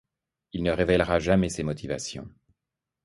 Il ne révélera jamais ses motivations.